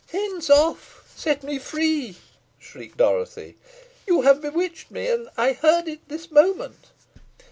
"Hence! off! set me free!" shrieked Dorothy; "you have bewitched me. I heard it this moment."